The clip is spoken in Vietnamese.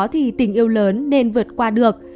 thì tình yêu lớn nên vượt qua được